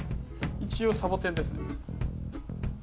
一応サボテンですね。